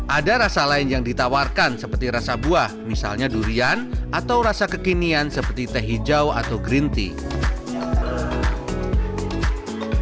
ada rasa lain yang ditawarkan seperti rasa buah misalnya durian atau rasa kekinian seperti teh hijau atau green tea